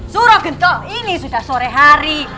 suruh gentok ini sudah sore hari